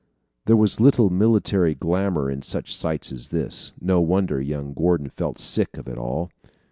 There was little military glamor in such sights as this. No wonder, young Gordon felt sick of it all.